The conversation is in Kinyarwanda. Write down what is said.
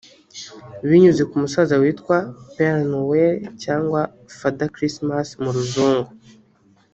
binyuze ku musaza witwa « Père Noël » cyangwa « Father Christmas » mu ruzungu